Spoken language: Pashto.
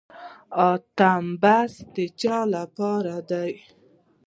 اتم بست د چا لپاره دی؟